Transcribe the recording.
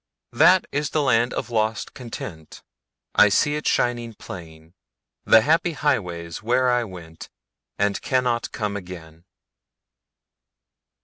That is the land of lost content,I see it shining plain, The happy highways where I wentAnd cannot come again.